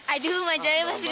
aduh majalah pas aku jatuh